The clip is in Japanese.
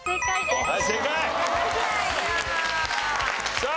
さあ